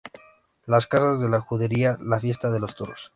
Las Casas de la Judería “La Fiesta de los Toros.